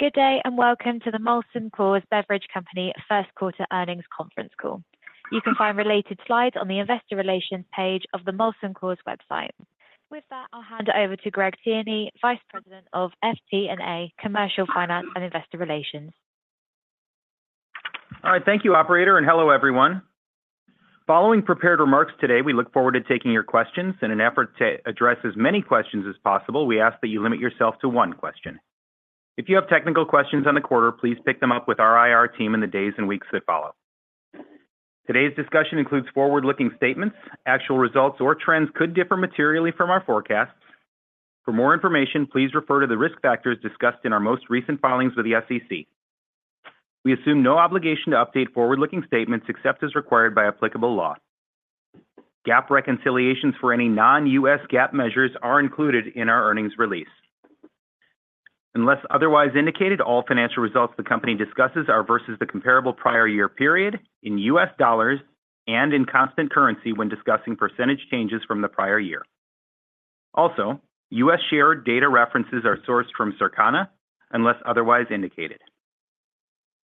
Good day, and welcome to the Molson Coors Beverage Company First Quarter Earnings Conference Call. You can find related slides on the investor relations page of the Molson Coors website. With that, I'll hand it over to Greg Tierney, Vice President of FP&A, Commercial Finance, and Investor Relations. All right, thank you, operator, and hello, everyone. Following prepared remarks today, we look forward to taking your questions. In an effort to address as many questions as possible, we ask that you limit yourself to one question. If you have technical questions on the quarter, please pick them up with our IR team in the days and weeks that follow. Today's discussion includes forward-looking statements. Actual results or trends could differ materially from our forecasts. For more information, please refer to the risk factors discussed in our most recent filings with the SEC. We assume no obligation to update forward-looking statements, except as required by applicable law. GAAP reconciliations for any non-GAAP measures are included in our earnings release. Unless otherwise indicated, all financial results the company discusses are versus the comparable prior year period in U.S. dollars and in constant currency when discussing percentage changes from the prior year. Also, U.S. share data references are sourced from Circana, unless otherwise indicated.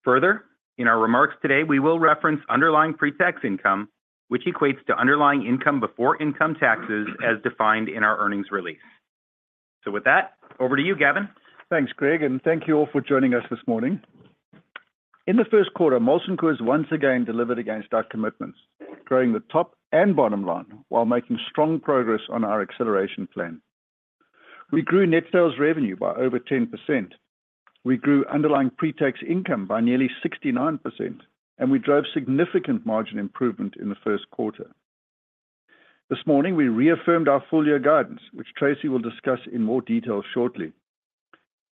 Further, in our remarks today, we will reference underlying pre-tax income, which equates to underlying income before income taxes, as defined in our earnings release. So with that, over to you, Gavin. Thanks, Greg, and thank you all for joining us this morning. In the first quarter, Molson Coors once again delivered against our commitments, growing the top and bottom line while making strong progress on our acceleration plan. We grew net sales revenue by over 10%. We grew underlying pre-tax income by nearly 69%, and we drove significant margin improvement in the first quarter. This morning, we reaffirmed our full-year guidance, which Tracey will discuss in more detail shortly.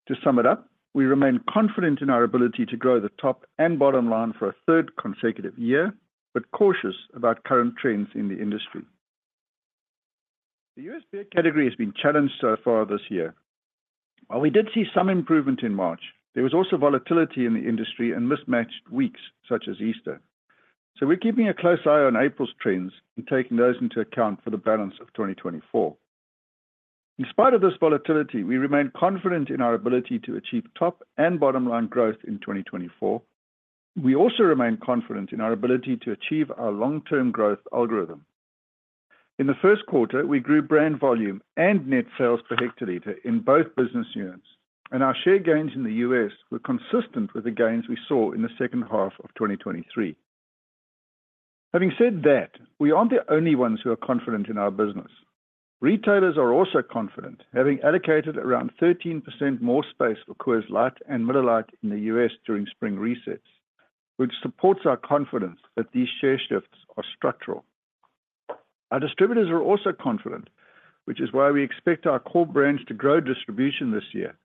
To sum it up, we remain confident in our ability to grow the top and bottom line for a third consecutive year, but cautious about current trends in the industry. The U.S. beer category has been challenged so far this year. While we did see some improvement in March, there was also volatility in the industry and mismatched weeks, such as Easter. So we're keeping a close eye on April's trends and taking those into account for the balance of 2024. In spite of this volatility, we remain confident in our ability to achieve top and bottom-line growth in 2024. We also remain confident in our ability to achieve our long-term growth algorithm. In the first quarter, we grew brand volume and net sales per hectoliter in both business units, and our share gains in the U.S. were consistent with the gains we saw in the second half of 2023. Having said that, we aren't the only ones who are confident in our business. Retailers are also confident, having allocated around 13% more space for Coors Light and Miller Lite in the U.S. during spring resets, which supports our confidence that these share shifts are structural. Our distributors are also confident, which is why we expect our core brands to grow distribution this year.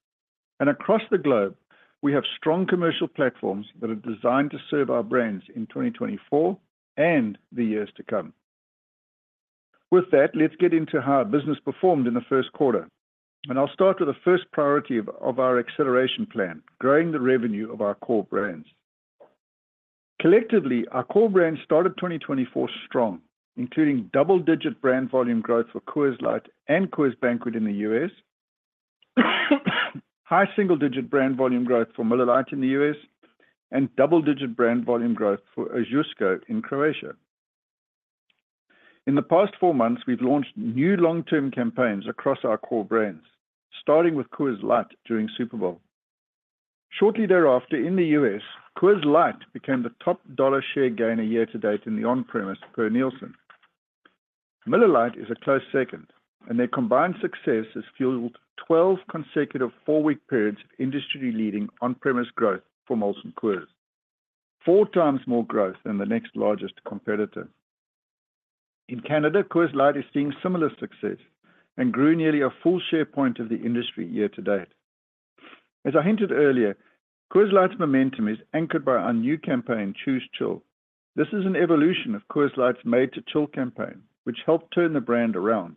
Across the globe, we have strong commercial platforms that are designed to serve our brands in 2024 and the years to come. With that, let's get into how our business performed in the first quarter, and I'll start with the first priority of our acceleration plan, growing the revenue of our core brands. Collectively, our core brands started 2024 strong, including double-digit brand volume growth for Coors Light and Coors Banquet in the U.S., high single-digit brand volume growth for Miller Lite in the U.S., and double-digit brand volume growth for Ožujsko in Croatia. In the past 4 months, we've launched new long-term campaigns across our core brands, starting with Coors Light during Super Bowl. Shortly thereafter, in the U.S., Coors Light became the top dollar share gainer year to date in the on-premise, per Nielsen. Miller Lite is a close second, and their combined success has fueled 12 consecutive four-week periods of industry-leading on-premise growth for Molson Coors, 4x more growth than the next largest competitor. In Canada, Coors Light is seeing similar success and grew nearly a full share point of the industry year to date. As I hinted earlier, Coors Light's momentum is anchored by our new campaign, Choose Chill. This is an evolution of Coors Light's Made to Chill campaign, which helped turn the brand around.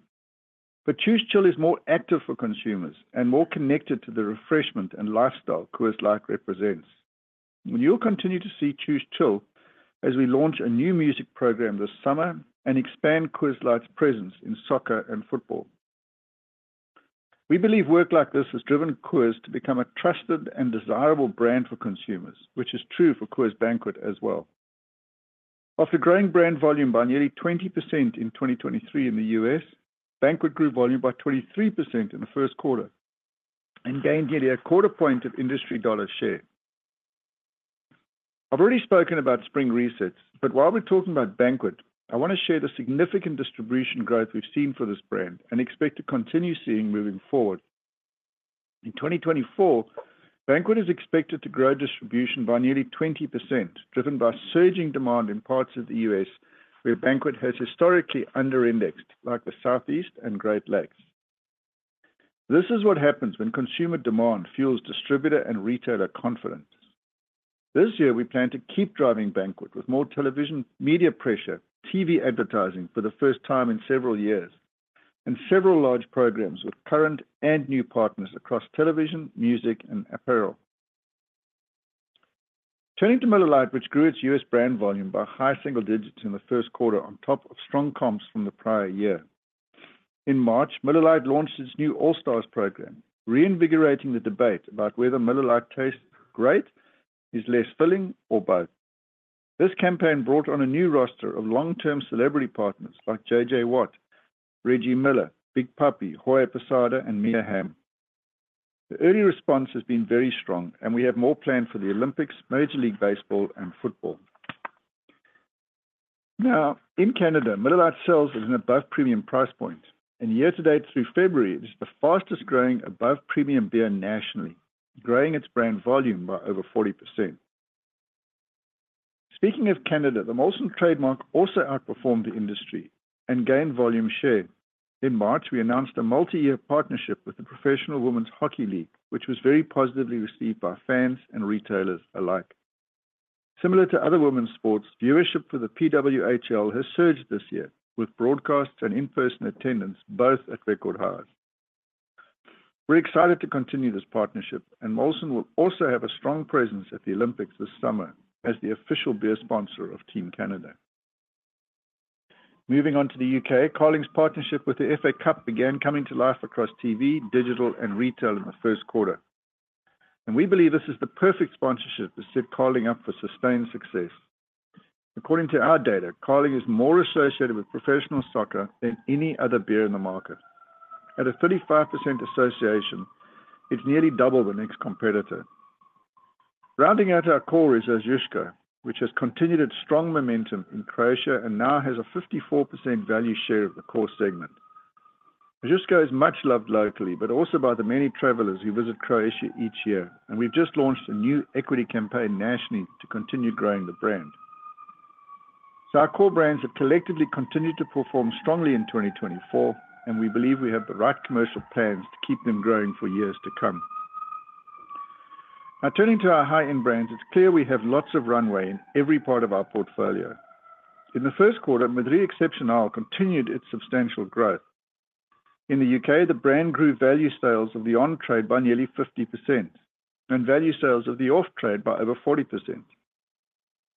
But Choose Chill is more active for consumers and more connected to the refreshment and lifestyle Coors Light represents. You'll continue to see Choose Chill as we launch a new music program this summer and expand Coors Light's presence in soccer and football. We believe work like this has driven Coors to become a trusted and desirable brand for consumers, which is true for Coors Banquet as well. After growing brand volume by nearly 20% in 2023 in the U.S., Banquet grew volume by 23% in the first quarter and gained nearly a quarter point of industry dollar share. I've already spoken about spring resets, but while we're talking about Banquet, I want to share the significant distribution growth we've seen for this brand and expect to continue seeing moving forward. In 2024, Banquet is expected to grow distribution by nearly 20%, driven by surging demand in parts of the U.S., where Banquet has historically under-indexed, like the Southeast and Great Lakes. This is what happens when consumer demand fuels distributor and retailer confidence. This year, we plan to keep driving Banquet with more television, media pressure, TV advertising for the first time in several years, and several large programs with current and new partners across television, music, and apparel. Turning to Miller Lite, which grew its U.S. brand volume by high single digits in the first quarter on top of strong comps from the prior year. In March, Miller Lite launched its new All-Stars program, reinvigorating the debate about whether Miller Lite tastes great, is less filling, or both. This campaign brought on a new roster of long-term celebrity partners like JJ Watt, Reggie Miller, Big Papi, Jorge Posada, and Mia Hamm. The early response has been very strong, and we have more planned for the Olympics, Major League Baseball, and football. Now, in Canada, Miller Lite sells at an above-premium price point, and year-to-date through February, it is the fastest-growing above-premium beer nationally, growing its brand volume by over 40%. Speaking of Canada, the Molson trademark also outperformed the industry and gained volume share. In March, we announced a multi-year partnership with the Professional Women's Hockey League, which was very positively received by fans and retailers alike. Similar to other women's sports, viewership for the PWHL has surged this year, with broadcasts and in-person attendance both at record highs. We're excited to continue this partnership, and Molson will also have a strong presence at the Olympics this summer as the official beer sponsor of Team Canada. Moving on to the U.K., Carling's partnership with the FA Cup began coming to life across TV, digital, and retail in the first quarter, and we believe this is the perfect sponsorship to set Carling up for sustained success. According to our data, Carling is more associated with professional soccer than any other beer in the market. At a 35% association, it's nearly double the next competitor. Rounding out our core is Ožujsko, which has continued its strong momentum in Croatia and now has a 54% value share of the core segment. Ožujsko is much loved locally, but also by the many travelers who visit Croatia each year, and we've just launched a new equity campaign nationally to continue growing the brand. So our core brands have collectively continued to perform strongly in 2024, and we believe we have the right commercial plans to keep them growing for years to come. Now, turning to our high-end brands, it's clear we have lots of runway in every part of our portfolio. In the first quarter, Madrí Excepcional continued its substantial growth. In the U.K., the brand grew value sales of the on-trade by nearly 50% and value sales of the off-trade by over 40%.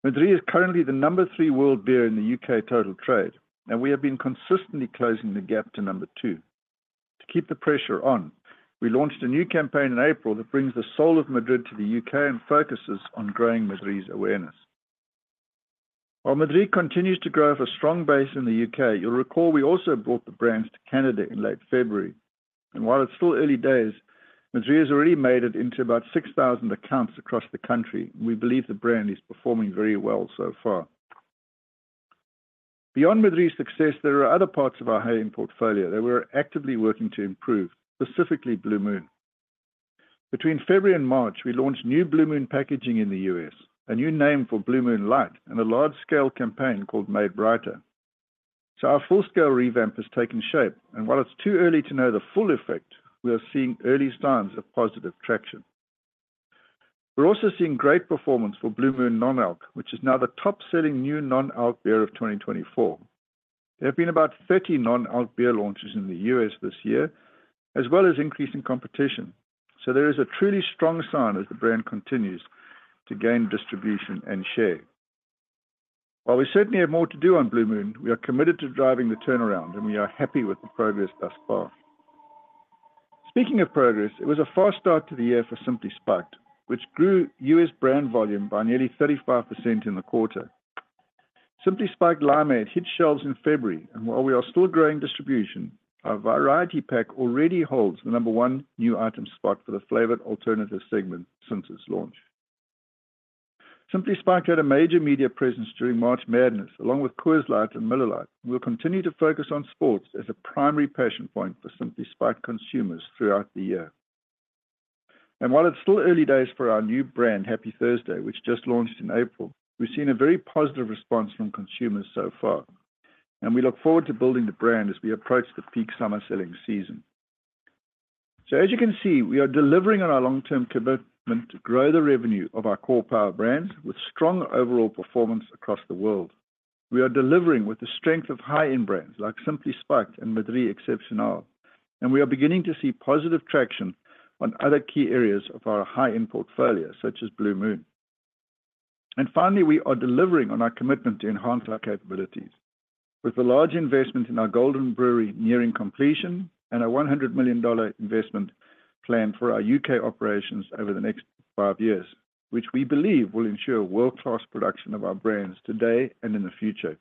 Madrí is currently the number three world beer in the U.K. total trade, and we have been consistently closing the gap to number 2. To keep the pressure on, we launched a new campaign in April that brings the soul of Madrí to the U.K. and focuses on growing Madrí's awareness. While Madrí continues to grow off a strong base in the U.K., you'll recall we also brought the brands to Canada in late February, and while it's still early days, Madrí has already made it into about 6,000 accounts across the country. We believe the brand is performing very well so far. Beyond Madrí's success, there are other parts of our high-end portfolio that we're actively working to improve, specifically Blue Moon. Between February and March, we launched new Blue Moon packaging in the U.S., a new name for Blue Moon Light, and a large-scale campaign called Made Brighter. So our full-scale revamp has taken shape, and while it's too early to know the full effect, we are seeing early signs of positive traction. We're also seeing great performance for Blue Moon Non-Alc, which is now the top-selling new non-alc beer of 2024. There have been about 30 non-alc beer launches in the U.S. this year, as well as increasing competition. So there is a truly strong sign as the brand continues to gain distribution and share. While we certainly have more to do on Blue Moon, we are committed to driving the turnaround, and we are happy with the progress thus far. Speaking of progress, it was a fast start to the year for Simply Spiked, which grew U.S. brand volume by nearly 35% in the quarter. Simply Spiked Limeade hit shelves in February, and while we are still growing distribution, our variety pack already holds the number one new item spot for the flavored alternatives segment since its launch. Simply Spiked had a major media presence during March Madness, along with Coors Light and Miller Lite. We'll continue to focus on sports as a primary passion point for Simply Spiked consumers throughout the year. And while it's still early days for our new brand, Happy Thursday, which just launched in April, we've seen a very positive response from consumers so far, and we look forward to building the brand as we approach the peak summer selling season. So as you can see, we are delivering on our long-term commitment to grow the revenue of our core power brands with strong overall performance across the world. We are delivering with the strength of high-end brands like Simply Spiked and Madrí Excepcional, and we are beginning to see positive traction on other key areas of our high-end portfolio, such as Blue Moon. And finally, we are delivering on our commitment to enhance our capabilities. With the large investment in our Golden Brewery nearing completion and our $100 million investment plan for our U.K. operations over the next five years, which we believe will ensure world-class production of our brands today and in the future.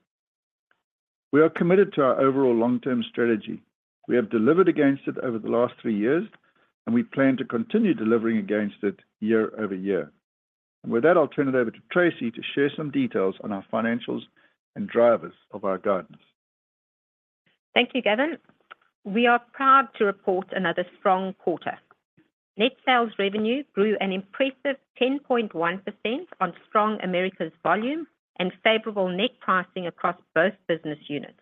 We are committed to our overall long-term strategy. We have delivered against it over the last three years, and we plan to continue delivering against it year-over-year. With that, I'll turn it over to Tracey to share some details on our financials and drivers of our guidance. Thank you, Gavin. We are proud to report another strong quarter. Net sales revenue grew an impressive 10.1% on strong Americas volume and favorable net pricing across both business units.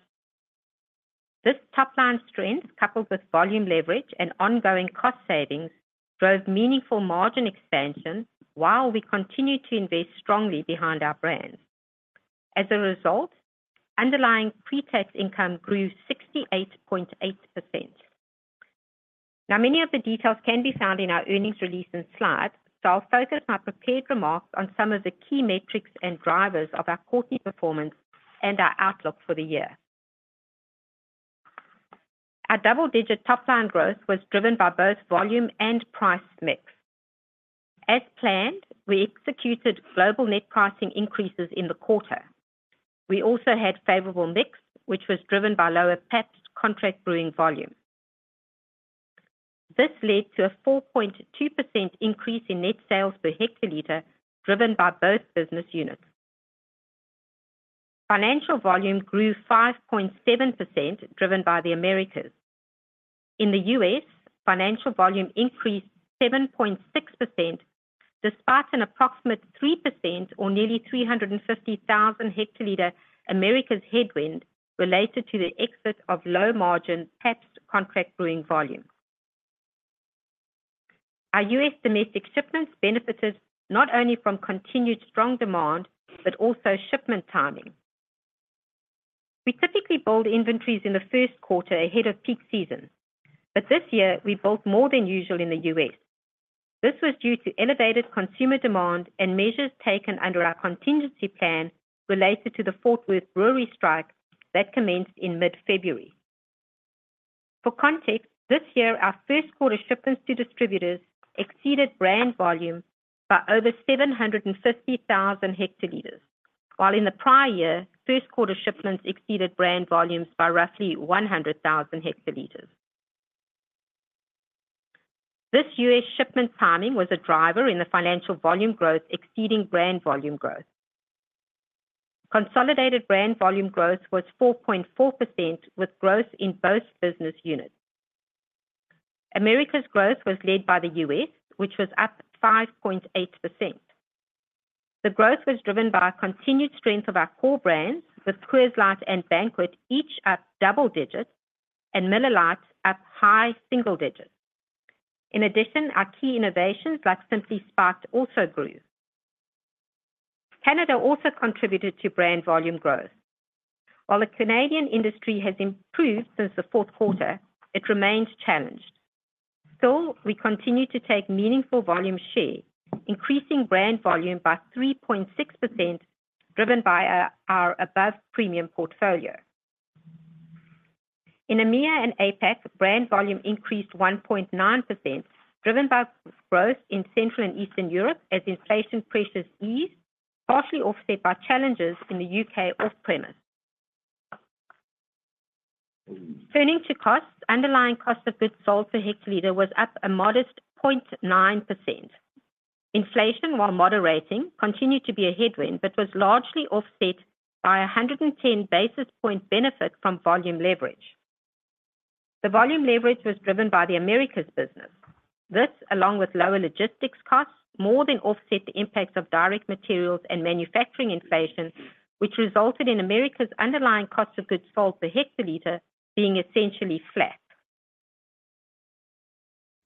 This top line strength, coupled with volume leverage and ongoing cost savings, drove meaningful margin expansion while we continued to invest strongly behind our brands. As a result, underlying pre-tax income grew 68.8%. Now, many of the details can be found in our earnings release and slides, so I'll focus my prepared remarks on some of the key metrics and drivers of our quarterly performance and our outlook for the year. Our double-digit top line growth was driven by both volume and price mix. As planned, we executed global net pricing increases in the quarter. We also had favorable mix, which was driven by lower Pabst contract brewing volume. This led to a 4.2% increase in net sales per hectoliter, driven by both business units. Financial volume grew 5.7%, driven by the Americas. In the U.S., financial volume increased 7.6%, despite an approximate 3% or nearly 350,000 hectoliter Americas headwind related to the exit of low-margin Pabst contract brewing volume. Our U.S. domestic shipments benefited not only from continued strong demand, but also shipment timing. We typically build inventories in the first quarter ahead of peak season, but this year we built more than usual in the U.S. This was due to elevated consumer demand and measures taken under our contingency plan related to the Fort Worth Brewery strike that commenced in mid-February. For context, this year our first quarter shipments to distributors exceeded brand volume by over 750,000 hectoliters, while in the prior year, first quarter shipments exceeded brand volumes by roughly 100,000 hectoliters. This U.S. shipment timing was a driver in the financial volume growth exceeding brand volume growth. Consolidated brand volume growth was 4.4%, with growth in both business units. Americas growth was led by the U.S., which was up 5.8%. The growth was driven by a continued strength of our core brands, with Coors Light and Banquet, each up double digits and Miller Lite up high single digits. In addition, our key innovations like Simply Spiked also grew. Canada also contributed to brand volume growth. While the Canadian industry has improved since the fourth quarter, it remains challenged. Still, we continue to take meaningful volume share, increasing brand volume by 3.6%, driven by our above premium portfolio. In EMEA and APAC, brand volume increased 1.9%, driven by growth in Central and Eastern Europe as inflation pressures eased, partially offset by challenges in the U.K. off-premise. Turning to costs. Underlying cost of goods sold per hectoliter was up a modest 0.9%. Inflation, while moderating, continued to be a headwind, but was largely offset by a 110 basis point benefit from volume leverage. The volume leverage was driven by the Americas business. This, along with lower logistics costs, more than offset the impacts of direct materials and manufacturing inflation, which resulted in America's underlying cost of goods sold per hectoliter being essentially flat.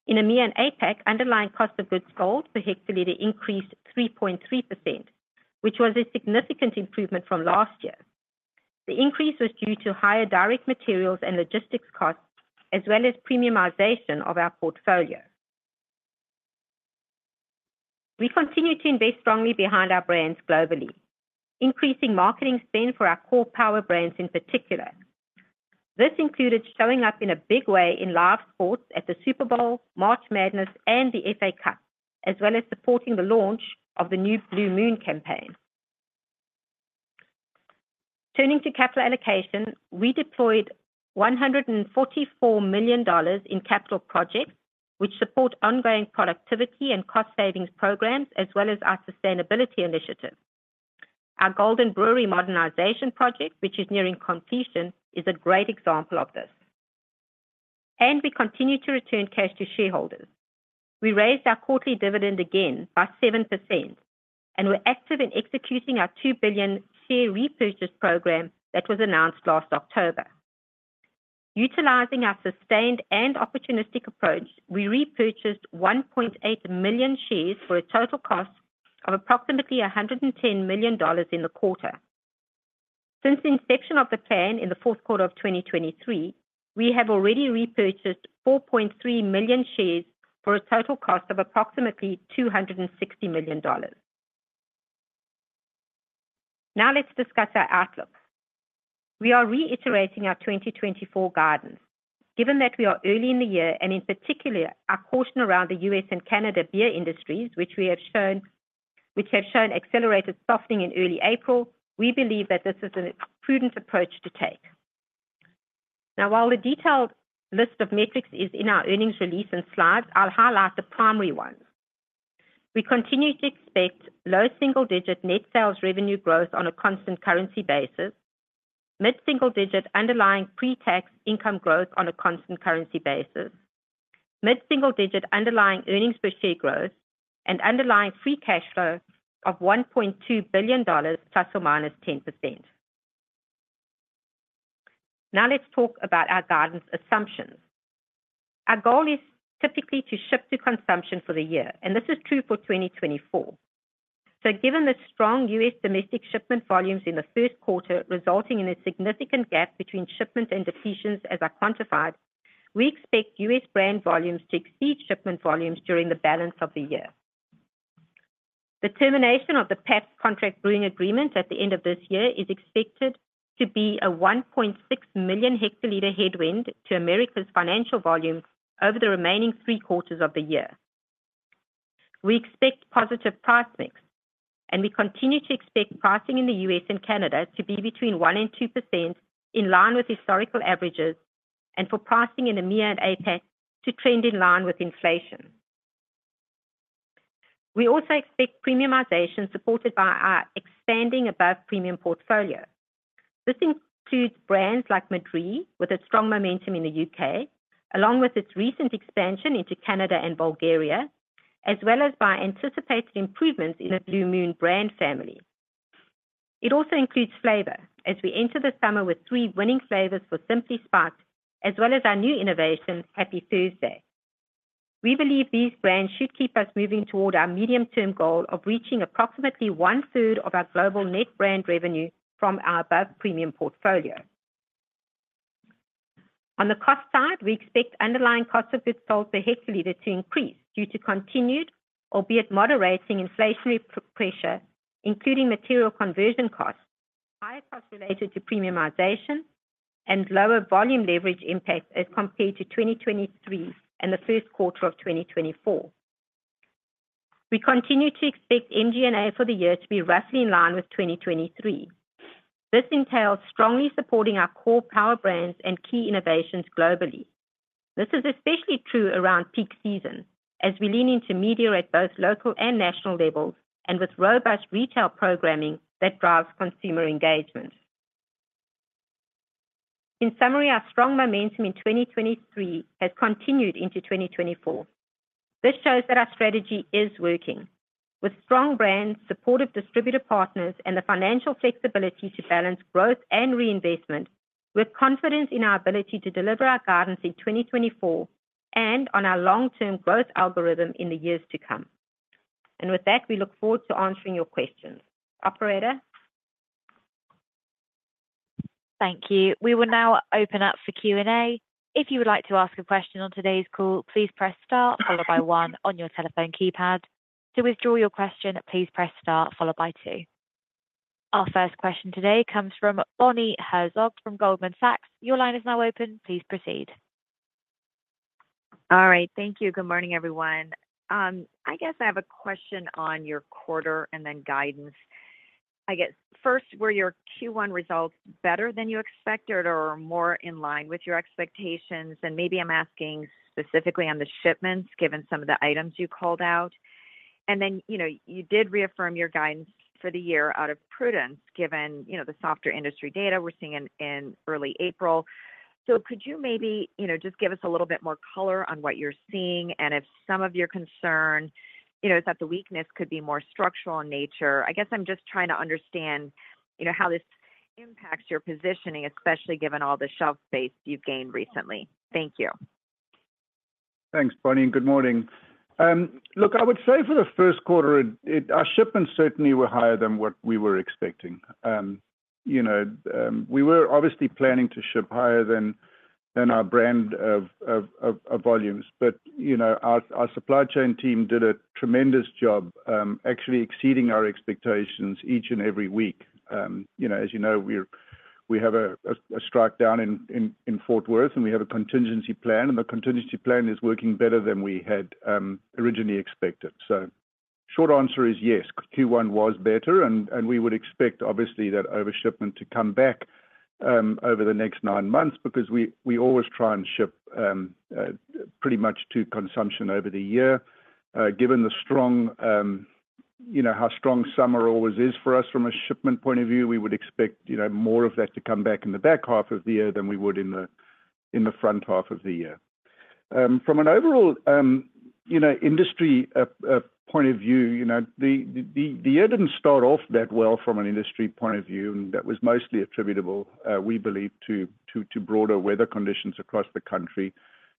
In EMEA and APAC, underlying cost of goods sold per hectoliter increased 3.3%, which was a significant improvement from last year. The increase was due to higher direct materials and logistics costs, as well as premiumization of our portfolio. We continue to invest strongly behind our brands globally, increasing marketing spend for our core power brands in particular. This included showing up in a big way in live sports at the Super Bowl, March Madness and the FA Cup, as well as supporting the launch of the new Blue Moon campaign. Turning to capital allocation. We deployed $144 million in capital projects, which support ongoing productivity and cost savings programs, as well as our sustainability initiatives. Our Golden Brewery modernization project, which is nearing completion, is a great example of this. We continue to return cash to shareholders. We raised our quarterly dividend again by 7% and we're active in executing our $2 billion share repurchase program that was announced last October. Utilizing our sustained and opportunistic approach, we repurchased 1.8 million shares for a total cost of approximately $110 million in the quarter. Since the inception of the plan in the fourth quarter of 2023, we have already repurchased 4.3 million shares for a total cost of approximately $260 million. Now, let's discuss our outlook. We are reiterating our 2024 guidance. Given that we are early in the year and in particular, our caution around the U.S. and Canada beer industries, which have shown accelerated softening in early April, we believe that this is a prudent approach to take. Now, while a detailed list of metrics is in our earnings release and slides, I'll highlight the primary ones. We continue to expect low single-digit net sales revenue growth on a constant currency basis, mid-single-digit underlying pre-tax income growth on a constant currency basis, mid-single-digit underlying earnings per share growth and underlying free cash flow of $1.2 billion, ±10%. Now, let's talk about our guidance assumptions. Our goal is typically to ship to consumption for the year, and this is true for 2024. So given the strong U.S. domestic shipment volumes in the first quarter, resulting in a significant gap between shipments and depletions, as I quantified, we expect U.S. brand volumes to exceed shipment volumes during the balance of the year. The termination of the Pabst contract brewing agreement at the end of this year is expected to be a 1.6 million hectoliter headwind to America's financial volume over the remaining three quarters of the year. We expect positive price mix, and we continue to expect pricing in the U.S. and Canada to be between 1% and 2%, in line with historical averages, and for pricing in the EMEA and APAC to trend in line with inflation. We also expect premiumization, supported by our expanding above-premium portfolio. This includes brands like Madrí, with a strong momentum in the U.K., along with its recent expansion into Canada and Bulgaria, as well as by anticipated improvements in the Blue Moon brand family. It also includes flavor, as we enter the summer with three winning flavors for Simply Spiked, as well as our new innovation, Happy Thursday. We believe these brands should keep us moving toward our medium-term goal of reaching approximately one-third of our global net brand revenue from our above-premium portfolio. On the cost side, we expect underlying cost of goods sold per hectoliter to increase due to continued, albeit moderating, inflationary pressure, including material conversion costs, higher costs related to premiumization, and lower volume leverage impact as compared to 2023 and the first quarter of 2024. We continue to expect MG&A for the year to be roughly in line with 2023. This entails strongly supporting our core power brands and key innovations globally. This is especially true around peak season, as we lean into media at both local and national levels, and with robust retail programming that drives consumer engagement. In summary, our strong momentum in 2023 has continued into 2024. This shows that our strategy is working. With strong brands, supportive distributor partners, and the financial flexibility to balance growth and reinvestment, we're confident in our ability to deliver our guidance in 2024 and on our long-term growth algorithm in the years to come. With that, we look forward to answering your questions. Operator? Thank you. We will now open up for Q&A. If you would like to ask a question on today's call, please press Star followed by one on your telephone keypad. To withdraw your question, please press Star followed by two. Our first question today comes from Bonnie Herzog from Goldman Sachs. Your line is now open. Please proceed. All right. Thank you. Good morning, everyone. I guess I have a question on your quarter and then guidance. I guess, first, were your Q1 results better than you expected or more in line with your expectations? And maybe I'm asking specifically on the shipments, given some of the items you called out. And then, you know, you did reaffirm your guidance for the year out of prudence, given, you know, the softer industry data we're seeing in early April. So could you maybe, you know, just give us a little bit more color on what you're seeing, and if some of your concern, you know, is that the weakness could be more structural in nature? I guess I'm just trying to understand, you know, how this impacts your positioning, especially given all the shelf space you've gained recently. Thank you. Thanks, Bonnie, and good morning. Look, I would say for the first quarter, it, our shipments certainly were higher than what we were expecting. You know, we were obviously planning to ship higher than our brand volumes. But, you know, our supply chain team did a tremendous job, actually exceeding our expectations each and every week. You know, as you know, we're, we have a strike down in Fort Worth, and we have a contingency plan, and the contingency plan is working better than we had originally expected. So short answer is yes, Q1 was better, and we would expect, obviously, that overshipment to come back over the next nine months, because we always try and ship pretty much to consumption over the year. Given the strong, you know, how strong summer always is for us from a shipment point of view, we would expect, you know, more of that to come back in the back half of the year than we would in the front half of the year. From an overall, you know, industry point of view, you know, the year didn't start off that well from an industry point of view, and that was mostly attributable, we believe to broader weather conditions across the country.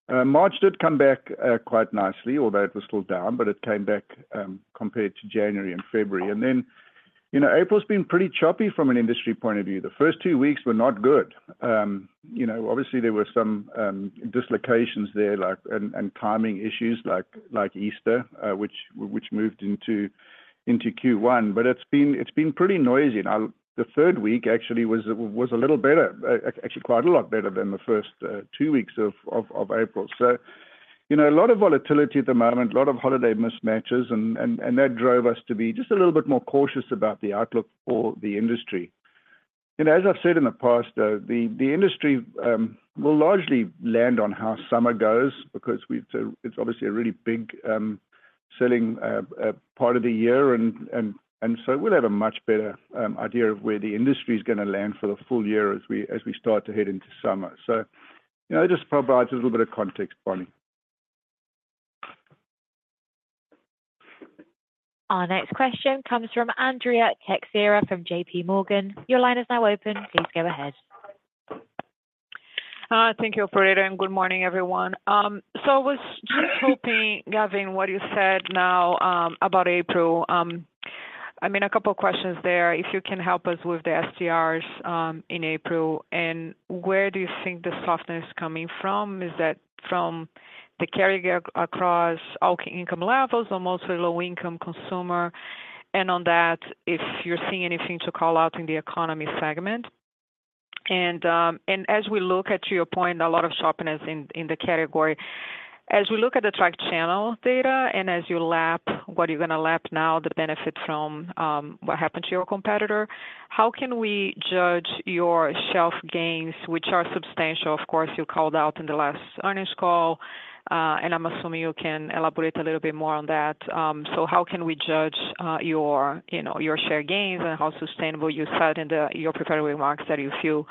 March did come back quite nicely, although it was still down, but it came back compared to January and February. And then, you know, April's been pretty choppy from an industry point of view. The first two weeks were not good. You know, obviously there were some dislocations there, like, and timing issues like Easter, which moved into Q1, but it's been pretty noisy. Now, the third week actually was a little better, actually, quite a lot better than the first two weeks of April. So, you know, a lot of volatility at the moment, a lot of holiday mismatches, and that drove us to be just a little bit more cautious about the outlook for the industry. As I've said in the past, the industry will largely land on how summer goes, because, so it's obviously a really big selling part of the year, and so we'll have a much better idea of where the industry is gonna land for the full year as we start to head into summer. So, you know, it just provides a little bit of context, Bonnie. Our next question comes from Andrea Teixeira from J.P. Morgan. Your line is now open. Please go ahead.... thank you, operator, and good morning, everyone. So I was just hoping, Gavin, what you said now, about April, I mean, a couple of questions there. If you can help us with the STRs, in April, and where do you think the softness is coming from? Is that from the category across all income levels or mostly low-income consumer? And on that, if you're seeing anything to call out in the economy segment. And, as we look at your point, a lot of sharpness in the category, as we look at the track channel data and as you lap, what are you going to lap now, the benefit from, what happened to your competitor? How can we judge your shelf gains, which are substantial, of course, you called out in the last earnings call, and I'm assuming you can elaborate a little bit more on that. So how can we judge, you know, your share gains and how sustainable, you said in your prepared remarks that you feel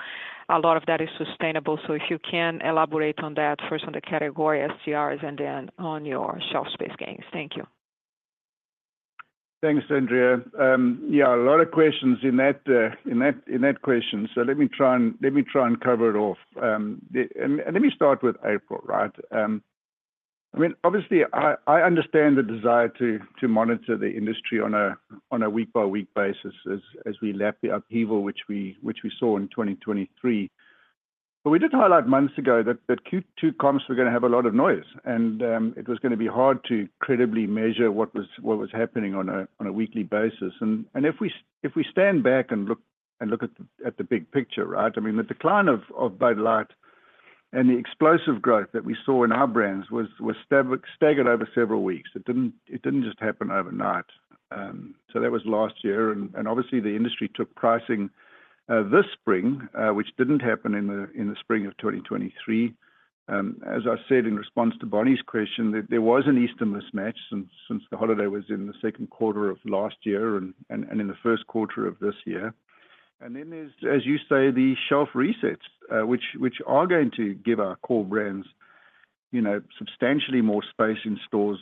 a lot of that is sustainable. So if you can elaborate on that, first on the category STRs and then on your shelf space gains. Thank you. Thanks, Andrea. Yeah, a lot of questions in that question. So let me try and cover it off. And let me start with April, right? I mean, obviously, I understand the desire to monitor the industry on a week-by-week basis as we lap the upheaval, which we saw in 2023. But we did highlight months ago that Q2 comps were going to have a lot of noise, and it was going to be hard to credibly measure what was happening on a weekly basis. And if we stand back and look at the big picture, right? I mean, the decline of Bud Light and the explosive growth that we saw in our brands was staggered over several weeks. It didn't just happen overnight. So that was last year, and obviously the industry took pricing this spring, which didn't happen in the spring of 2023. As I said in response to Bonnie's question, that there was an Easter mismatch since the holiday was in the second quarter of last year and in the first quarter of this year. And then there's, as you say, the shelf resets, which are going to give our core brands, you know, substantially more space in stores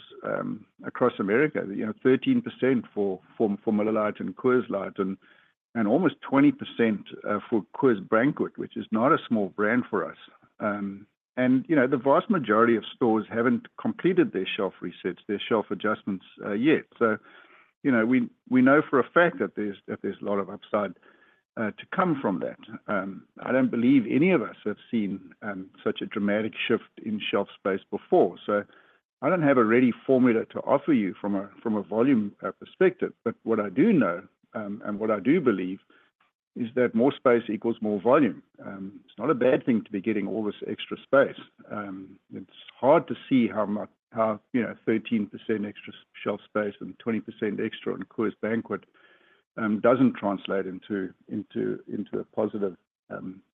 across America. You know, 13% for Miller Lite and Coors Light and almost 20% for Coors Banquet, which is not a small brand for us. And, you know, the vast majority of stores haven't completed their shelf resets, their shelf adjustments, yet. So, you know, we know for a fact that there's a lot of upside to come from that. I don't believe any of us have seen such a dramatic shift in shelf space before. So I don't have a ready formula to offer you from a volume perspective. But what I do know and what I do believe is that more space equals more volume. It's not a bad thing to be getting all this extra space. It's hard to see how, you know, 13% extra shelf space and 20% extra on Coors Banquet doesn't translate into a positive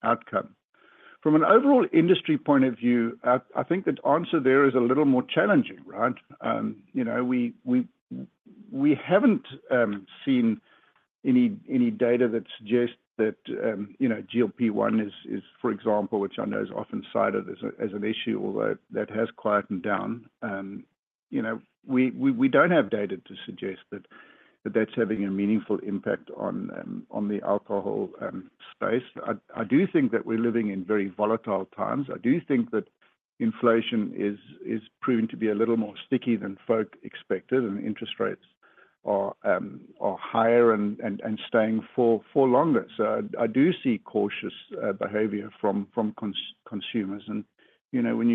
outcome. From an overall industry point of view, I think the answer there is a little more challenging, right? You know, we haven't seen any data that suggests that, you know, GLP-1 is, for example, which I know is often cited as an issue, although that has quieted down. You know, we don't have data to suggest that that's having a meaningful impact on the alcohol space. I do think that we're living in very volatile times. I do think that inflation is proving to be a little more sticky than folk expected, and interest rates are higher and staying for longer. So I do see cautious behavior from consumers. And, you know, when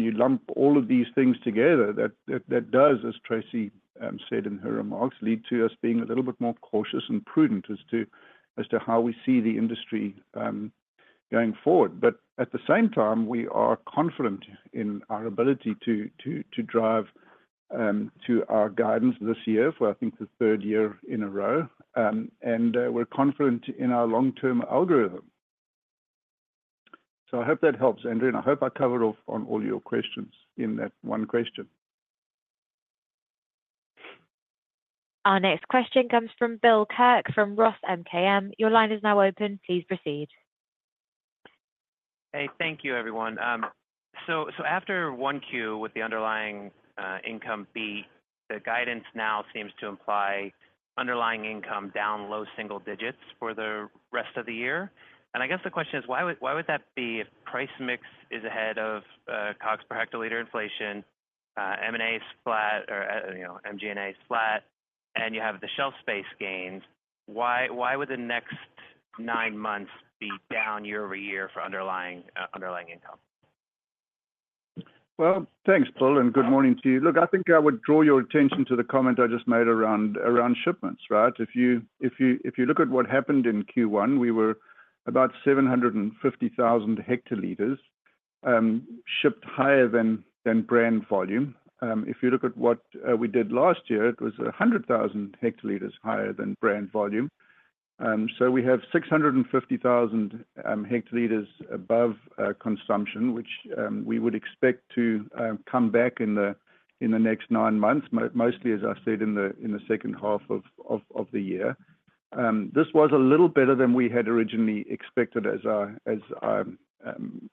you lump all of these things together, that does, as Tracey said in her remarks, lead to us being a little bit more cautious and prudent as to how we see the industry going forward. But at the same time, we are confident in our ability to drive to our guidance this year for, I think, the third year in a row. And we're confident in our long-term algorithm. So I hope that helps, Andrea, and I hope I covered off on all your questions in that one question. Our next question comes from Bill Kirk, from ROTH MKM. Your line is now open. Please proceed. Hey, thank you, everyone. So after Q1 with the underlying income beat, the guidance now seems to imply underlying income down low single digits for the rest of the year. And I guess the question is: Why would, why would that be if price mix is ahead of COGS per hectoliter inflation, MG&A is flat or, you know, MG&A is flat, and you have the shelf space gains? Why, why would the next nine months be down year-over-year for underlying underlying income? Well, thanks, Bill, and good morning to you. Look, I think I would draw your attention to the comment I just made around shipments, right? If you look at what happened in Q1, we were about 750,000 hectoliters shipped higher than brand volume. If you look at what we did last year, it was 100,000 hectoliters higher than brand volume. So we have 650,000 hectoliters above consumption, which we would expect to come back in the next nine months, mostly, as I said, in the second half of the year. This was a little better than we had originally expected as I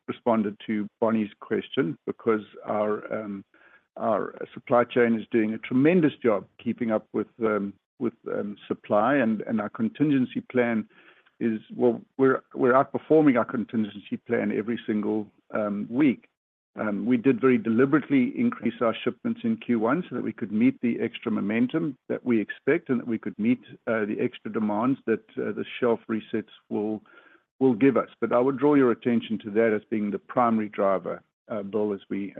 responded to Bonnie's question, because our- Our supply chain is doing a tremendous job keeping up with supply, and our contingency plan is well, we're outperforming our contingency plan every single week. We did very deliberately increase our shipments in Q1 so that we could meet the extra momentum that we expect and that we could meet the extra demands that the shelf resets will give us. But I would draw your attention to that as being the primary driver, Bill, as we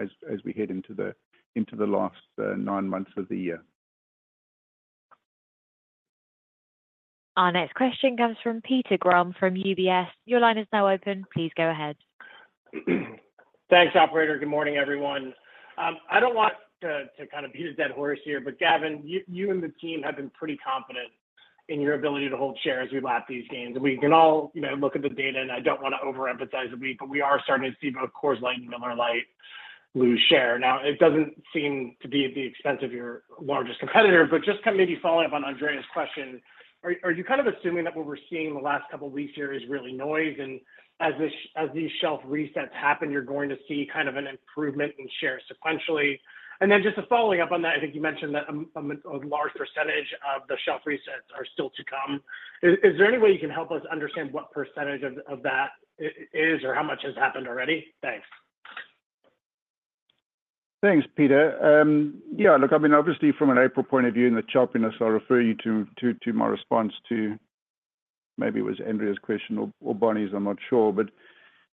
head into the last nine months of the year. Our next question comes from Peter Grom from UBS. Your line is now open. Please go ahead. Thanks, operator. Good morning, everyone. I don't want to kind of beat a dead horse here, but Gavin, you and the team have been pretty confident in your ability to hold share as we lap these gains. We can all, you know, look at the data, and I don't want to overemphasize a week, but we are starting to see both Coors Light and Miller Lite lose share. Now, it doesn't seem to be at the expense of your largest competitor, but just kind of maybe following up on Andrea's question, are you kind of assuming that what we're seeing in the last couple of weeks here is really noise, and as these shelf resets happen, you're going to see kind of an improvement in shares sequentially? Then just following up on that, I think you mentioned that a large percentage of the shelf resets are still to come. Is there any way you can help us understand what percentage of that is, or how much has happened already? Thanks. Thanks, Peter. Yeah, look, I mean, obviously from an April point of view, in the choppiness, I refer you to, to, to my response to maybe it was Andrea's question or, or Bonnie's, I'm not sure. But,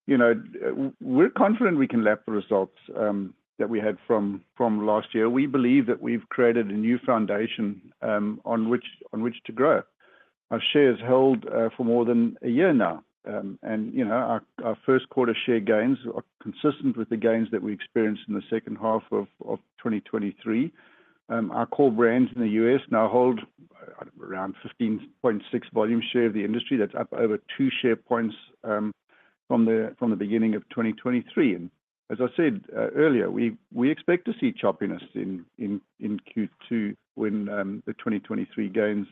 you know, we're confident we can lap the results, that we had from, from last year. We believe that we've created a new foundation, on which, on which to grow. Our share is held, for more than a year now. And, you know, our, our first quarter share gains are consistent with the gains that we experienced in the second half of 2023. Our core brands in the U.S. now hold around 15.6 volume share of the industry. That's up over two share points, from the, from the beginning of 2023. As I said earlier, we expect to see choppiness in Q2 when the 2023 gains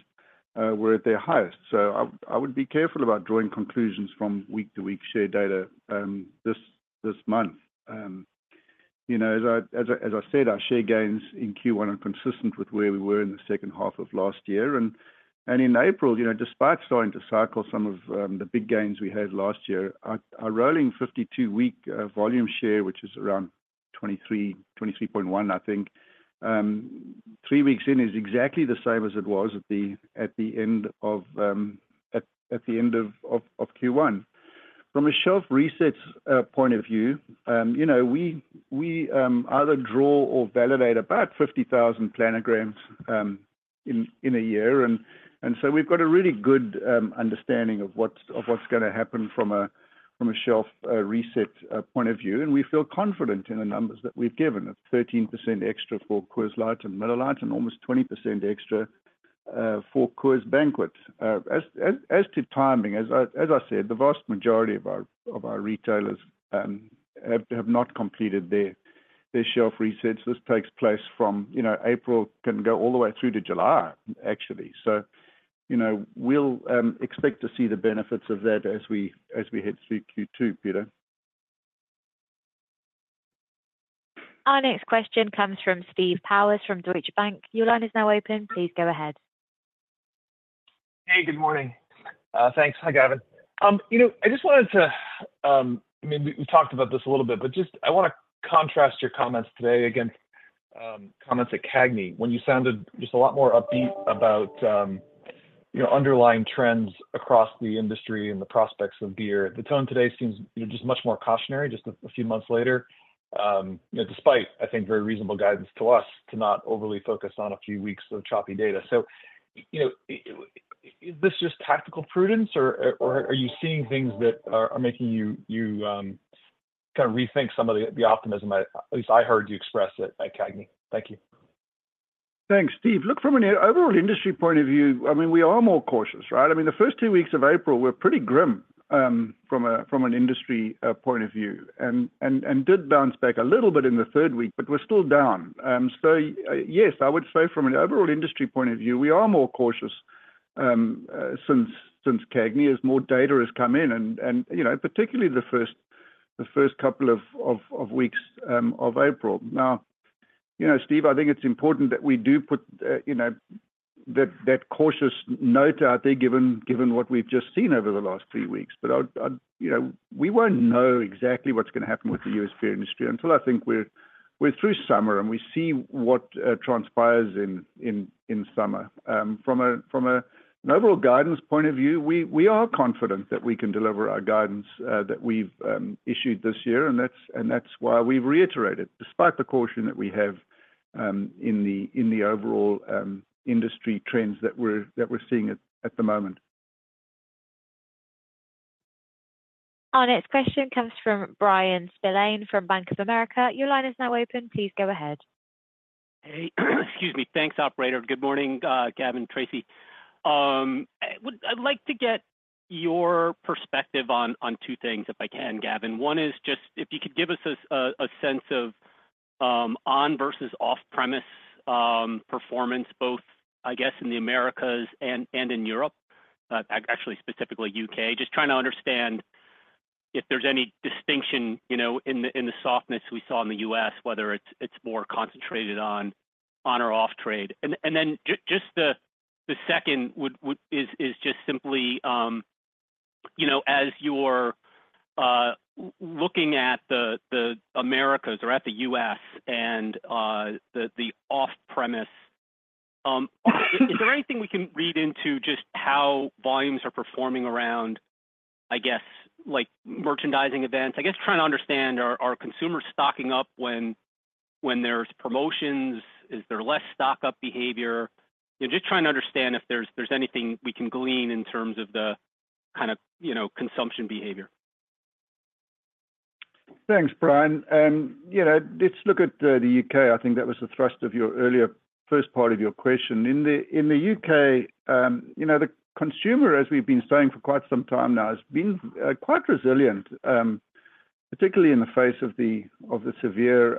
were at their highest. So I would be careful about drawing conclusions from week-to-week share data this month. You know, as I said, our share gains in Q1 are consistent with where we were in the second half of last year. And in April, you know, despite starting to cycle some of the big gains we had last year, our 52-week volume share, which is around 23, 23.1, I think, three weeks in, is exactly the same as it was at the end of Q1. From a shelf resets point of view, you know, we either draw or validate about 50,000 planograms in a year. And so we've got a really good understanding of what's gonna happen from a shelf reset point of view. And we feel confident in the numbers that we've given, of 13% extra for Coors Light and Miller Lite, and almost 20% extra for Coors Banquet. As to timing, as I said, the vast majority of our retailers have not completed their shelf resets. This takes place from, you know, April, can go all the way through to July, actually. So, you know, we'll expect to see the benefits of that as we head through Q2, Peter. Our next question comes from Steve Powers from Deutsche Bank. Your line is now open. Please go ahead. Hey, good morning. Thanks. Hi, Gavin. You know, I just wanted to, I mean, we talked about this a little bit, but just I want to contrast your comments today against comments at CAGNY, when you sounded just a lot more upbeat about, you know, underlying trends across the industry and the prospects of beer. The tone today seems, you know, just much more cautionary, just a few months later, you know, despite, I think, very reasonable guidance to us to not overly focus on a few weeks of choppy data. So, you know, is this just tactical prudence, or are you seeing things that are making you kind of rethink some of the optimism that at least I heard you express it at CAGNY? Thank you. Thanks, Steve. Look, from an overall industry point of view, I mean, we are more cautious, right? I mean, the first two weeks of April were pretty grim from an industry point of view, and did bounce back a little bit in the third week, but we're still down. So yes, I would say from an overall industry point of view, we are more cautious since CAGNY, as more data has come in and, you know, particularly the first couple of weeks of April. Now, you know, Steve, I think it's important that we do put that cautious note out there, given what we've just seen over the last three weeks. But I... You know, we won't know exactly what's going to happen with the U.S. beer industry until I think we're through summer, and we see what transpires in summer. From an overall guidance point of view, we are confident that we can deliver our guidance that we've issued this year, and that's why we've reiterated, despite the caution that we have in the overall industry trends that we're seeing at the moment. Our next question comes from Brian Spillane from Bank of America. Your line is now open. Please go ahead. Hey, excuse me. Thanks, operator. Good morning, Gavin, Tracey. I'd like to get your perspective on two things, if I can, Gavin. One is just if you could give us a sense of on-premise versus off-premise performance, both, I guess, in the Americas and in Europe, actually specifically U.K. Just trying to understand-... if there's any distinction, you know, in the softness we saw in the U.S., whether it's more concentrated on or off trade. And then just the second is just simply, you know, as you're looking at the Americas or at the U.S. and the off-premise, is there anything we can read into just how volumes are performing around, I guess, like, merchandising events? I guess trying to understand, are consumers stocking up when there's promotions? Is there less stock-up behavior? Just trying to understand if there's anything we can glean in terms of the kind of, you know, consumption behavior. Thanks, Brian. You know, let's look at the U.K. I think that was the thrust of your earlier first part of your question. In the U.K., you know, the consumer, as we've been saying for quite some time now, has been quite resilient, particularly in the face of the severe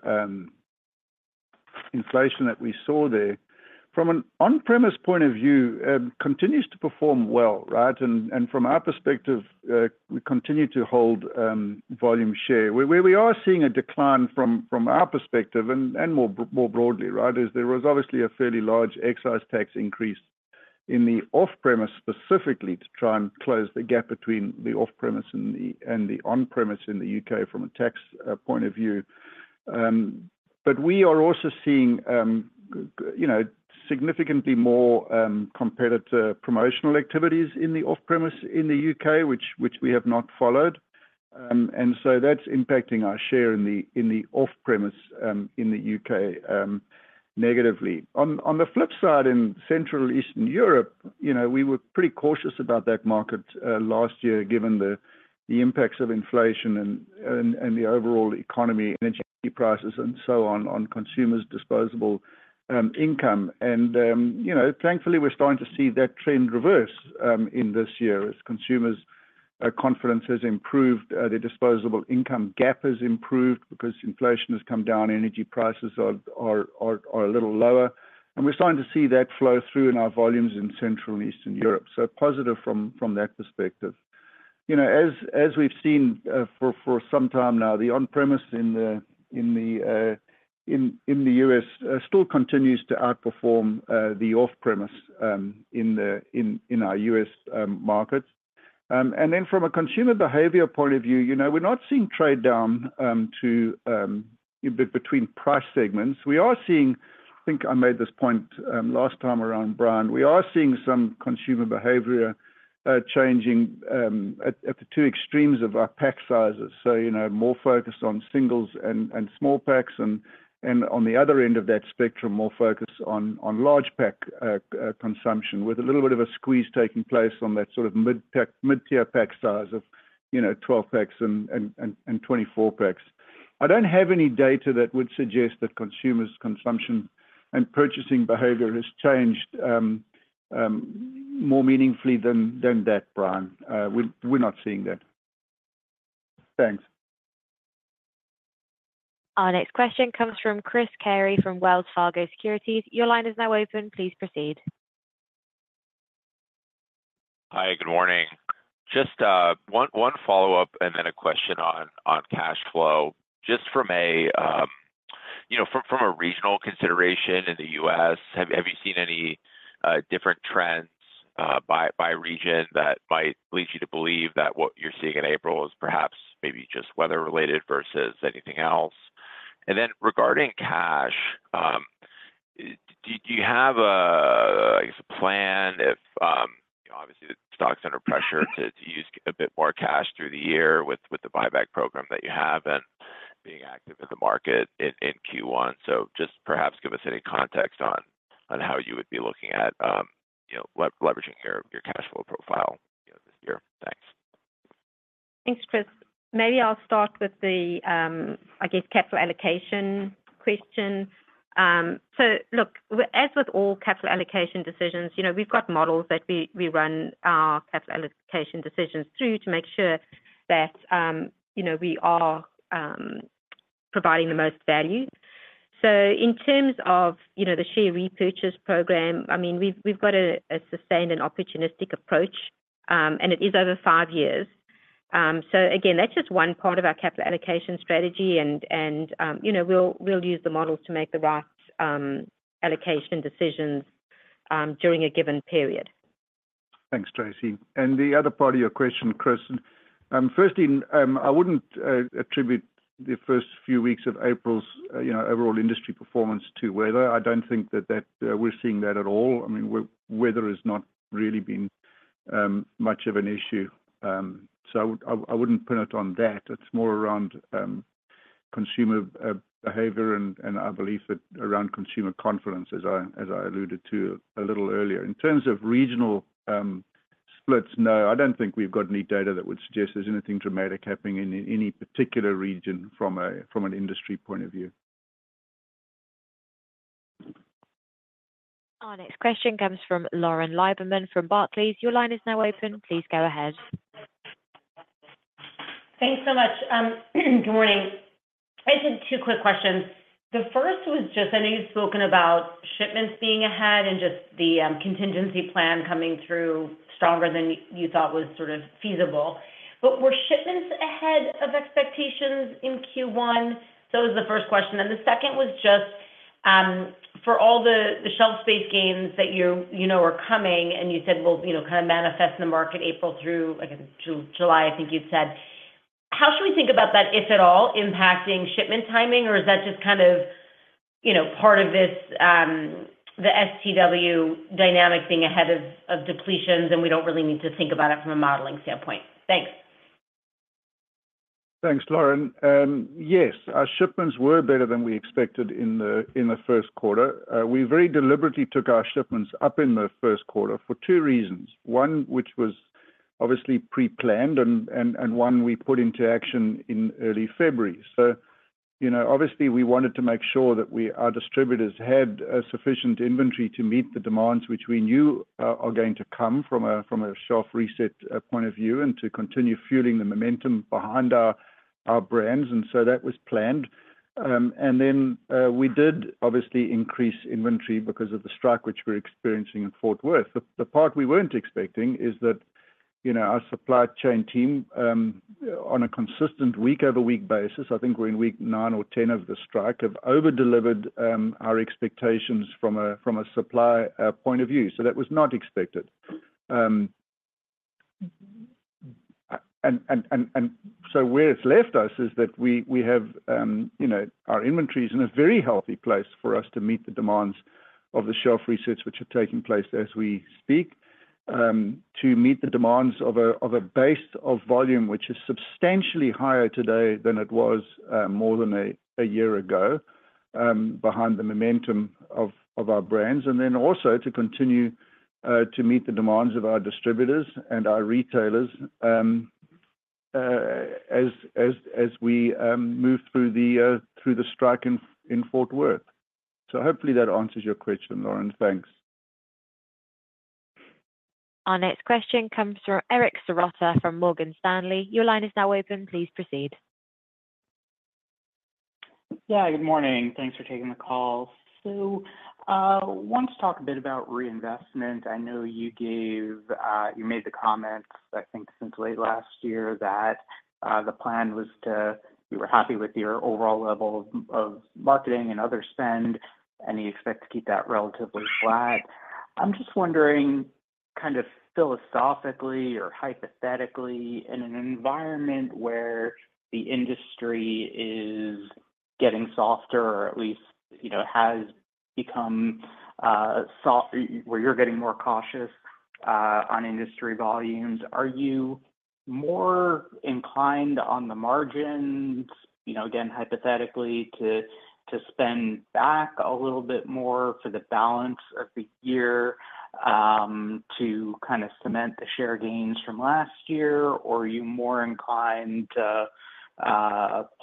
inflation that we saw there. From an on-premise point of view, continues to perform well, right? And from our perspective, we continue to hold volume share. Where we are seeing a decline from our perspective and more broadly, right, is there was obviously a fairly large excise tax increase in the off-premise, specifically to try and close the gap between the off-premise and the on-premise in the U.K. from a tax point of view. But we are also seeing, you know, significantly more competitor promotional activities in the off-premise in the U.K., which we have not followed. And so that's impacting our share in the off-premise in the U.K. negatively. On the flip side, in Central Eastern Europe, you know, we were pretty cautious about that market last year, given the impacts of inflation and the overall economy, energy prices, and so on, on consumers' disposable income. And you know, thankfully, we're starting to see that trend reverse in this year as consumers' confidence has improved, the disposable income gap has improved because inflation has come down, energy prices are a little lower. And we're starting to see that flow through in our volumes in Central and Eastern Europe. So positive from that perspective. You know, as we've seen, for some time now, the on-premise in the U.S. still continues to outperform the off-premise in our U.S. markets. And then from a consumer behavior point of view, you know, we're not seeing trade down to between price segments. We are seeing... I think I made this point last time around, Brian, we a1re seeing some consumer behavior changing at the two extremes of our pack sizes. So, you know, more focused on singles and small packs, and on the other end of that spectrum, more focused on large pack consumption, with a little bit of a squeeze taking place on that sort of mid pack-mid-tier pack size of, you know, 12 packs and 24 packs. I don't have any data that would suggest that consumers' consumption and purchasing behavior has changed more meaningfully than that, Brian. We're not seeing that. Thanks. Our next question comes from Chris Carey, from Wells Fargo Securities. Your line is now open. Please proceed. Hi, good morning. Just one follow-up and then a question on cash flow. Just from a, you know, from a regional consideration in the U.S., have you seen any different trends by region that might lead you to believe that what you're seeing in April is perhaps maybe just weather-related versus anything else? And then regarding cash, do you have a, I guess, a plan if, obviously, the stock's under pressure to use a bit more cash through the year with the buyback program that you have and being active in the market in Q1? So just perhaps give us any context on how you would be looking at, you know, leveraging your cash flow profile, you know, this year. Thanks. Thanks, Chris. Maybe I'll start with the, I guess, capital allocation question. So look, as with all capital allocation decisions, you know, we've got models that we, we run our capital allocation decisions through to make sure that, you know, we are providing the most value. So in terms of, you know, the share repurchase program, I mean, we've, we've got a, a sustained and opportunistic approach, and it is over five years. So again, that's just one part of our capital allocation strategy, and, and, you know, we'll, we'll use the models to make the right, allocation decisions, during a given period. Thanks, Tracey. And the other part of your question, Chris, firstly, I wouldn't attribute the first few weeks of April's, you know, overall industry performance to weather. I don't think that, that we're seeing that at all. I mean, weather has not really been much of an issue. So I would, I, I wouldn't put it on that. It's more around consumer behavior and, and our belief that around consumer confidence, as I, as I alluded to a little earlier. In terms of regional splits, no, I don't think we've got any data that would suggest there's anything dramatic happening in any particular region from a, from an industry point of view. Our next question comes from Lauren Lieberman from Barclays. Your line is now open. Please go ahead. Thanks so much. Good morning.... I just have two quick questions. The first was just, I know you've spoken about shipments being ahead and just the contingency plan coming through stronger than you thought was sort of feasible. But were shipments ahead of expectations in Q1? So that was the first question, and the second was just, for all the shelf space gains that you, you know, are coming, and you said will, you know, kind of manifest in the market April through, I guess, July, I think you've said. How should we think about that, if at all, impacting shipment timing, or is that just kind of, you know, part of this the STW dynamic being ahead of depletions, and we don't really need to think about it from a modeling standpoint? Thanks. Thanks, Lauren. Yes, our shipments were better than we expected in the first quarter. We very deliberately took our shipments up in the first quarter for two reasons. One, which was obviously pre-planned and one we put into action in early February. So, you know, obviously, we wanted to make sure that our distributors had a sufficient inventory to meet the demands which we knew are going to come from a shelf reset point of view, and to continue fueling the momentum behind our brands, and so that was planned. And then, we did obviously increase inventory because of the strike, which we're experiencing in Fort Worth. The part we weren't expecting is that, you know, our supply chain team, on a consistent week-over-week basis, I think we're in week nine or 10 of the strike, have over-delivered our expectations from a supply point of view. So that was not expected. So where it's left us is that we have, you know, our inventory is in a very healthy place for us to meet the demands of the shelf resets, which are taking place as we speak. To meet the demands of a base of volume, which is substantially higher today than it was more than a year ago, behind the momentum of our brands, and then also to continue to meet the demands of our distributors and our retailers, as we move through the strike in Fort Worth. So hopefully that answers your question, Lauren. Thanks. Our next question comes from Eric Serotta from Morgan Stanley. Your line is now open. Please proceed. Yeah, good morning. Thanks for taking the call. So, want to talk a bit about reinvestment. I know you gave... You made the comments, I think, since late last year, that, the plan was to-- you were happy with your overall level of, of marketing and other spend, and you expect to keep that relatively flat. I'm just wondering, kind of philosophically or hypothetically, in an environment where the industry is getting softer, or at least, you know, has become, soft, where you're getting more cautious, on industry volumes, are you more inclined on the margins, you know, again, hypothetically, to spend back a little bit more for the balance of the year, to kind of cement the share gains from last year? Or are you more inclined to,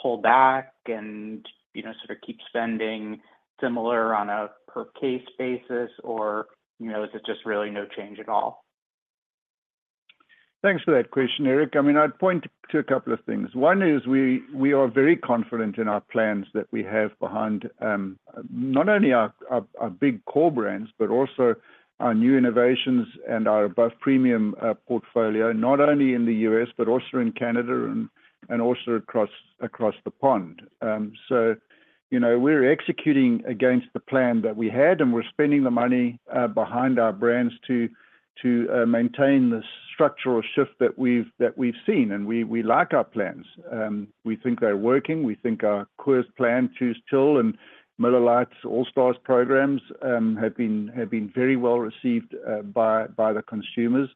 pull back and, you know, sort of keep spending similar on a per case basis, or, you know, is it just really no change at all? Thanks for that question, Eric. I mean, I'd point to a couple of things. One is we are very confident in our plans that we have behind not only our big core brands, but also our new innovations and our above-premium portfolio, not only in the U.S., but also in Canada and also across the pond. So you know, we're executing against the plan that we had, and we're spending the money behind our brands to maintain the structural shift that we've seen. And we like our plans. We think they're working. We think our Coors plan, Choose Chill, and Miller Lite All-Stars programs have been very well received by the consumers.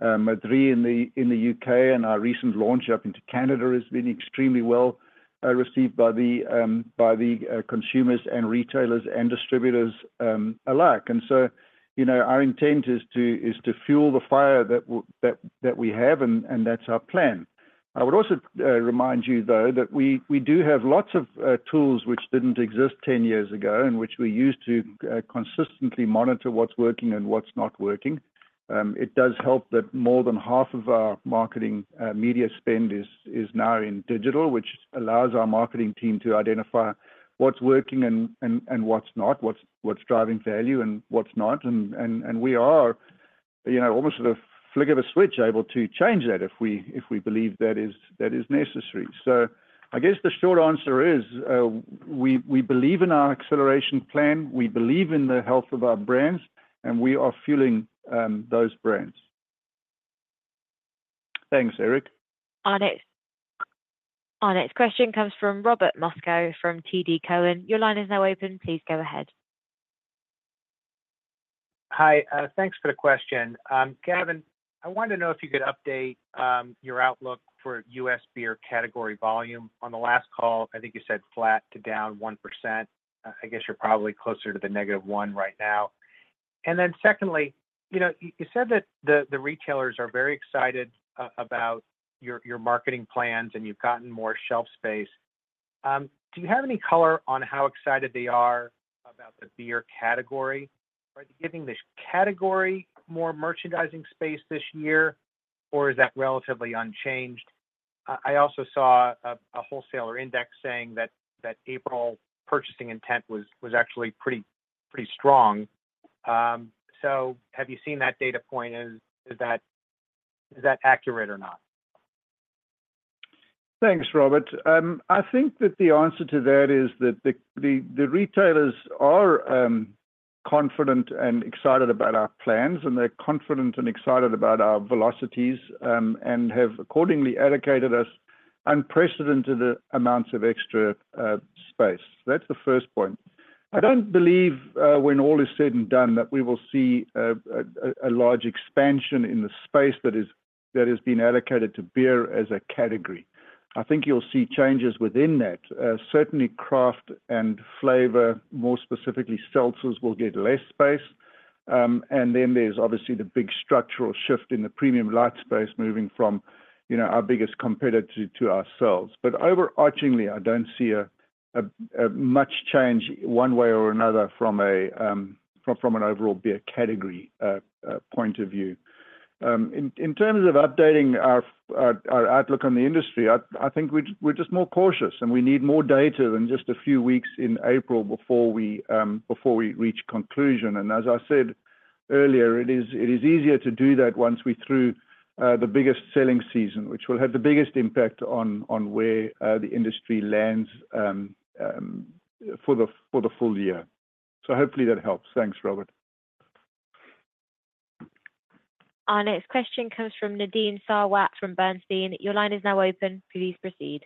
Madrí in the U.K., and our recent launch up into Canada has been extremely well received by the consumers and retailers and distributors alike. And so, you know, our intent is to fuel the fire that we have, and that's our plan. I would also remind you, though, that we do have lots of tools which didn't exist 10 years ago, and which we use to consistently monitor what's working and what's not working. It does help that more than half of our marketing media spend is now in digital, which allows our marketing team to identify what's working and what's not, what's driving value and what's not. And we are, you know, almost at the flick of a switch, able to change that if we believe that is necessary. So I guess the short answer is, we believe in our acceleration plan, we believe in the health of our brands, and we are fueling those brands. Thanks, Eric. Our next question comes from Robert Moskow from TD Cowen. Your line is now open. Please go ahead. Hi, thanks for the question. Gavin, I wanted to know if you could update your outlook for U.S. beer category volume. On the last call, I think you said flat to down 1%. I guess you're probably closer to -1% right now. And then secondly, you know, you said that the retailers are very excited about your marketing plans, and you've gotten more shelf space. Do you have any color on how excited they are?... the beer category. Are you giving this category more merchandising space this year, or is that relatively unchanged? I also saw a wholesaler index saying that April purchasing intent was actually pretty strong. So have you seen that data point? Is that accurate or not? Thanks, Robert. I think that the answer to that is that the retailers are confident and excited about our plans, and they're confident and excited about our velocities, and have accordingly allocated us unprecedented amounts of extra space. That's the first point. I don't believe when all is said and done, that we will see a large expansion in the space that has been allocated to beer as a category. I think you'll see changes within that. Certainly craft and flavor, more specifically seltzers, will get less space. And then there's obviously the big structural shift in the premium light space, moving from, you know, our biggest competitor to ourselves. But overarchingly, I don't see much change one way or another from an overall beer category point of view. In terms of updating our outlook on the industry, I think we're just more cautious, and we need more data than just a few weeks in April before we reach conclusion. And as I said earlier, it is easier to do that once we're through the biggest selling season, which will have the biggest impact on where the industry lands for the full year. So hopefully that helps. Thanks, Robert. Our next question comes from Nadine Sarwat from Bernstein. Your line is now open. Please proceed.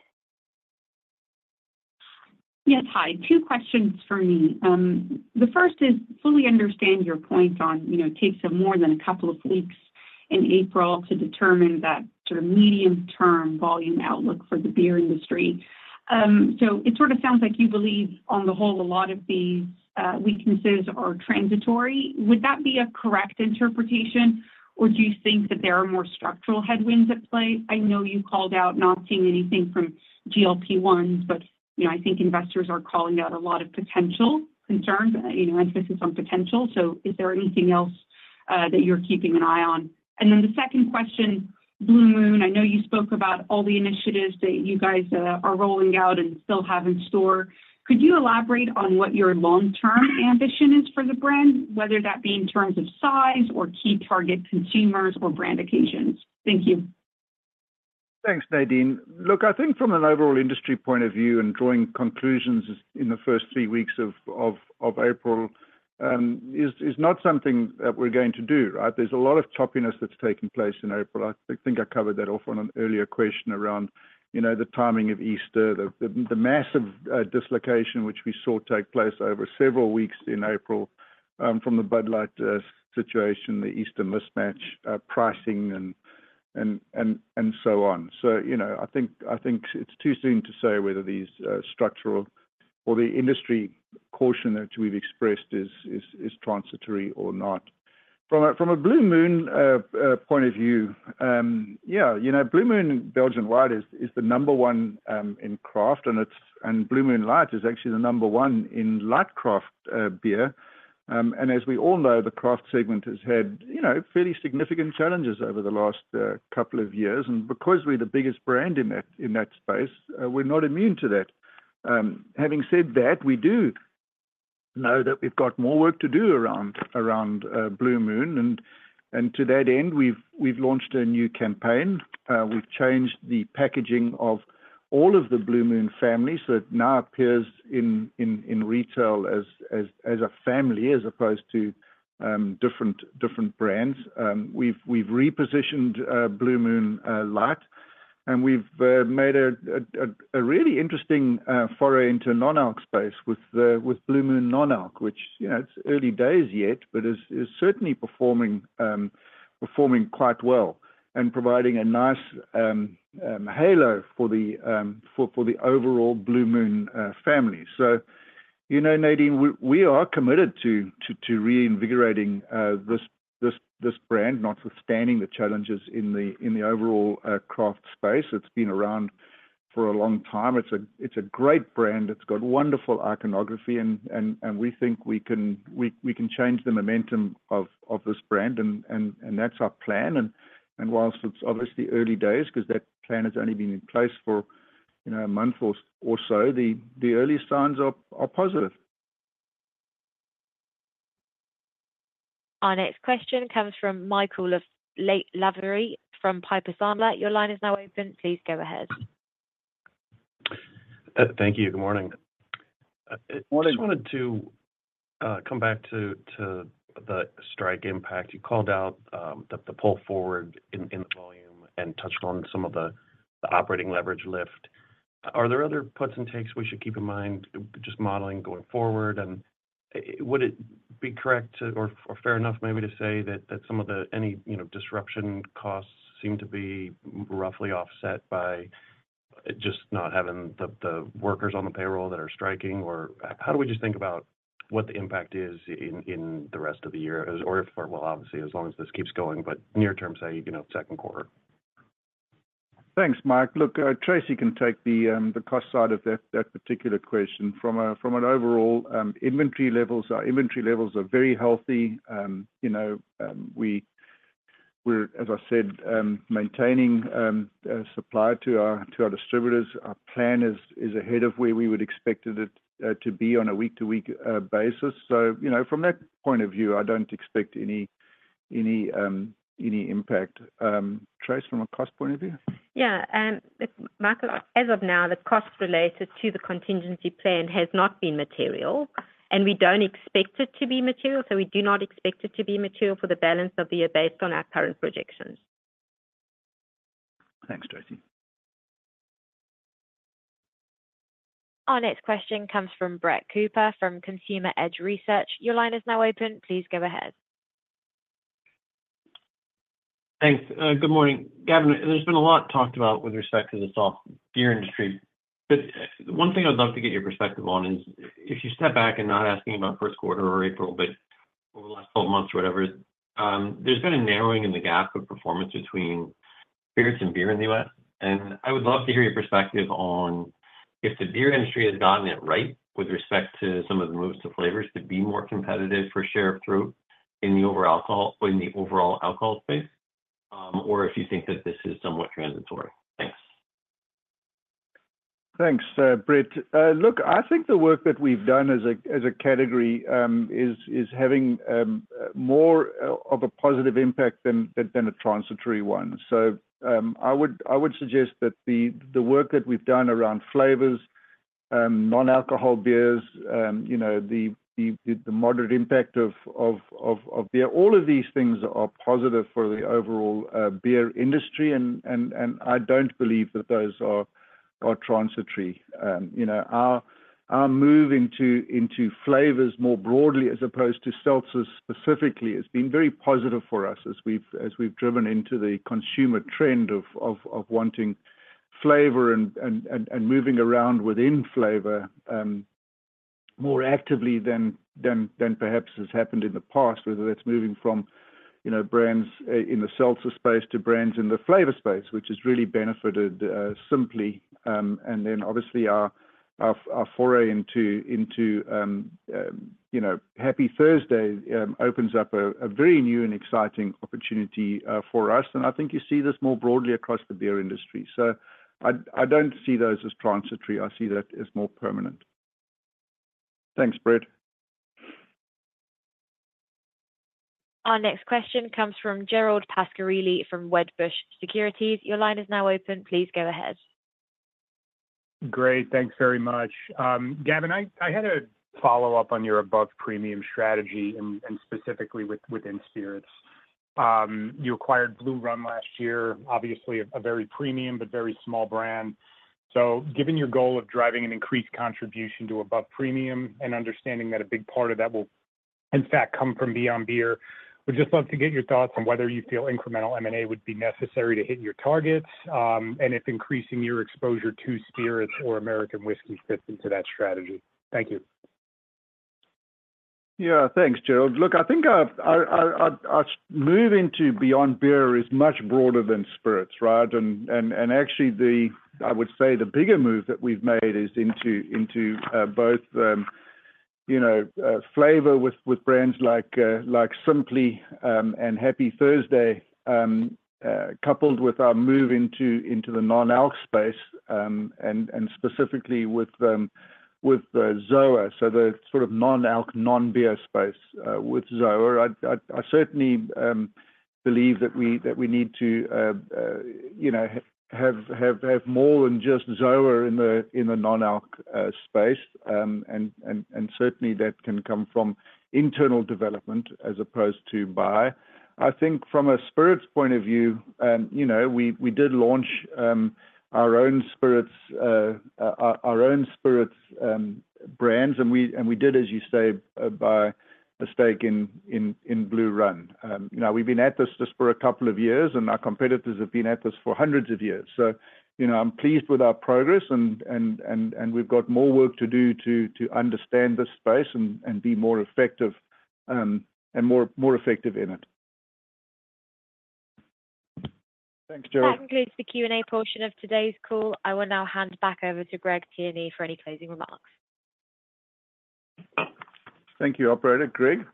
Yes, hi. Two questions for me. The first is fully understand your point on, you know, takes more than a couple of weeks in April to determine that sort of medium-term volume outlook for the beer industry. So it sort of sounds like you believe on the whole, a lot of these weaknesses are transitory. Would that be a correct interpretation, or do you think that there are more structural headwinds at play? I know you called out not seeing anything from GLP-1s, but, you know, I think investors are calling out a lot of potential concerns, you know, emphasis on potential. So is there anything else that you're keeping an eye on? And then the second question, Blue Moon, I know you spoke about all the initiatives that you guys are rolling out and still have in store. Could you elaborate on what your long-term ambition is for the brand, whether that be in terms of size or key target consumers or brand occasions? Thank you. Thanks, Nadine. Look, I think from an overall industry point of view, and drawing conclusions in the first three weeks of April, is not something that we're going to do, right? There's a lot of choppiness that's taking place in April. I think I covered that off on an earlier question around, you know, the timing of Easter, the massive dislocation which we saw take place over several weeks in April, from the Bud Light situation, the Easter mismatch, pricing and so on. So, you know, I think it's too soon to say whether these structural or the industry caution which we've expressed is transitory or not. From a Blue Moon point of view, yeah, you know, Blue Moon Belgian White is the number one in craft, and it's and Blue Moon Light is actually the number one in light craft beer. And as we all know, the craft segment has had, you know, fairly significant challenges over the last couple of years. Because we're the biggest brand in that space, we're not immune to that. Having said that, we do know that we've got more work to do around Blue Moon, and to that end, we've launched a new campaign. We've changed the packaging of all of the Blue Moon families, so it now appears in retail as a family, as opposed to different brands. We've repositioned Blue Moon Light, and we've made a really interesting foray into non-alc space with Blue Moon Non-Alc, which, you know, it's early days yet, but is certainly performing quite well and providing a nice halo for the overall Blue Moon family. So, you know, Nadine, we are committed to reinvigorating this brand, notwithstanding the challenges in the overall craft space. It's been around for a long time. It's a great brand. It's got wonderful iconography and we think we can change the momentum of this brand, and that's our plan. And whilst it's obviously early days, 'cause that plan has only been in place for, you know, a month or so, the early signs are positive. Our next question comes from Michael Lavery from Piper Sandler. Your line is now open. Please go ahead. Thank you. Good morning. Morning. Just wanted to come back to the strike impact. You called out the pull forward in volume and touched on some of the operating leverage lift. Are there other puts and takes we should keep in mind, just modeling going forward? And would it be correct or fair enough maybe to say that some of the any, you know, disruption costs seem to be roughly offset by just not having the workers on the payroll that are striking? Or how do we just think about what the impact is in the rest of the year? Or if, well, obviously, as long as this keeps going, but near term, say, you know, second quarter. ... Thanks, Mike. Look, Tracey can take the cost side of that particular question. From an overall inventory levels, our inventory levels are very healthy. You know, we're, as I said, maintaining a supply to our distributors. Our plan is ahead of where we would expected it to be on a week-to-week basis. So, you know, from that point of view, I don't expect any impact. Trace, from a cost point of view? Yeah, and, Michael, as of now, the cost related to the contingency plan has not been material, and we don't expect it to be material. So we do not expect it to be material for the balance of the year based on our current projections. Thanks, Tracey. Our next question comes from Brett Cooper, from Consumer Edge Research. Your line is now open. Please go ahead. Thanks. Good morning. Gavin, there's been a lot talked about with respect to the soft beer industry. But one thing I'd love to get your perspective on is, if you step back and not asking about first quarter or April, but over the last 12 months or whatever, there's been a narrowing in the gap of performance between spirits and beer in the US. And I would love to hear your perspective on if the beer industry has gotten it right, with respect to some of the moves to flavors, to be more competitive for share of throat in the overall alcohol-- in the overall alcohol space, or if you think that this is somewhat transitory? Thanks. Thanks, Brett. Look, I think the work that we've done as a category is having more of a positive impact than a transitory one. So, I would suggest that the work that we've done around flavors, non-alcohol beers, you know, the moderate impact of beer, all of these things are positive for the overall beer industry, and I don't believe that those are transitory. You know, our move into flavors more broadly, as opposed to seltzers specifically, has been very positive for us as we've driven into the consumer trend of wanting flavor and moving around within flavor more actively than perhaps has happened in the past. Whether that's moving from, you know, brands in the seltzer space to brands in the flavor space, which has really benefited Simply, and then obviously our foray into, you know, Happy Thursday, opens up a very new and exciting opportunity for us. And I think you see this more broadly across the beer industry. So I don't see those as transitory. I see that as more permanent. Thanks, Brett. Our next question comes from Gerald Pascarelli from Wedbush Securities. Your line is now open, please go ahead. Great. Thanks very much. Gavin, I had a follow-up on your above-premium strategy and specifically within spirits. You acquired Blue Run last year, obviously a very premium, but very small brand. So given your goal of driving an increased contribution to above-premium and understanding that a big part of that will, in fact, come from beyond beer, would just love to get your thoughts on whether you feel incremental M&A would be necessary to hit your targets, and if increasing your exposure to spirits or American whiskey fits into that strategy. Thank you. Yeah. Thanks, Gerald. Look, I think our move into beyond beer is much broader than spirits, right? And actually, I would say, the bigger move that we've made is into both, you know, flavor with brands like Simply and Happy Thursday, coupled with our move into the non-alc space and specifically with ZOA. So the sort of non-alc, non-beer space with ZOA. I certainly believe that we need to, you know, have more than just ZOA in the non-alc space. And certainly, that can come from internal development as opposed to buy. I think from a spirits point of view, you know, we did launch our own spirits brands, and we did, as you say, buy a stake in Blue Run. You know, we've been at this just for a couple of years, and our competitors have been at this for hundreds of years. So, you know, I'm pleased with our progress, and we've got more work to do to understand this space and be more effective and more effective in it. Thanks, Gerald. That concludes the Q&A portion of today's call. I will now hand back over to Greg Tierney for any closing remarks. Thank you, operator. Greg?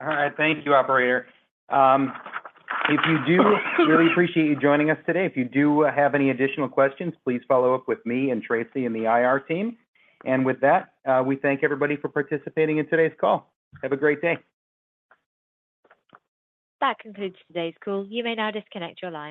All right. Thank you, operator. I really appreciate you joining us today. If you have any additional questions, please follow up with me and Tracey and the IR team. And with that, we thank everybody for participating in today's call. Have a great day! That concludes today's call. You may now disconnect your lines.